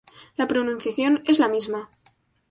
La pronunciación es la misma.